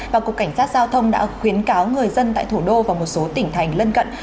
và cục cảnh sát giao thông đã khuyến cáo người dân tại thủ đô và một số tỉnh thành lân cận